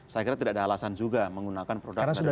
saya kira tidak ada alasan juga menggunakan produk dari luar negeri